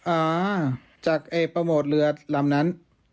อ่าจากโปรโมทเรือลำนั้น